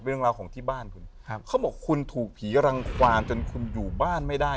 เรื่องราวของที่บ้านคุณครับเขาบอกคุณถูกผีรังความจนคุณอยู่บ้านไม่ได้